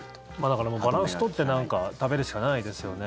だから、バランス取って食べるしかないですよね。